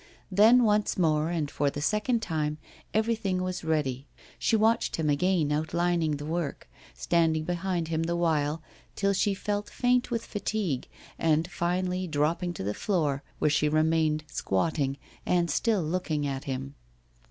Then once more, and for the second time, everything was ready. She watched him again outlining the work, standing behind him the while, till she felt faint with fatigue, and finally dropping to the floor, where she remained squatting, and still looking at him.